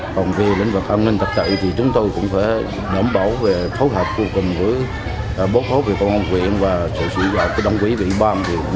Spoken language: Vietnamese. còn về lĩnh vực an ninh tật tự thì chúng tôi cũng phải đảm bảo về phối hợp vô cùng với bố phố về công an huyện và sự sử dụng của đồng quỹ vị ban